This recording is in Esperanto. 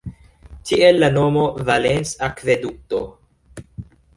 Tiel la nomo Valens-akvedukto.